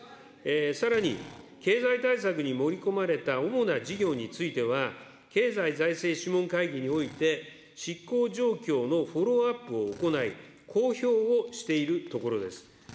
さらに、経済対策に盛り込まれた主な事業については、経済財政諮問会議において、執行状況のフォローアップを行い、公表をしているところです。